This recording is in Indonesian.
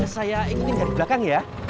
saya ingin dari belakang ya